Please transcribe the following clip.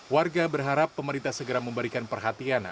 warga berharap pemerintah segera memberikan perhatian